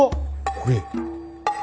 これ。